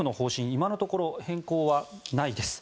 今のところ変更はないです。